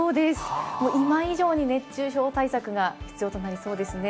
今以上に熱中症対策が必要になりそうですね。